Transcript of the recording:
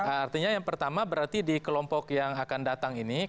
artinya yang pertama berarti di kelompok yang akan datang ini